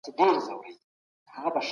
دغه ونه په رښتیا ډېره لویه ښکارېده.